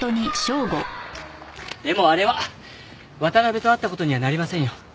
でもあれは渡辺と会った事にはなりませんよ。